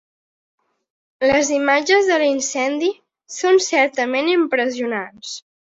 Les imatges de l’incendi són certament impressionants.